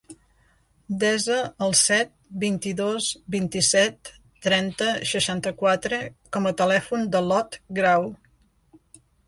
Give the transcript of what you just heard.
Desa el set, vint-i-dos, vint-i-set, trenta, seixanta-quatre com a telèfon de l'Ot Grau.